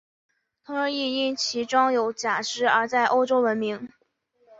同时亦因其装有假肢而在欧洲闻名。